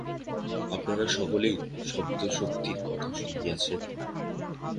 আপনারা সকলেই শব্দশক্তির কথা শুনিয়াছেন।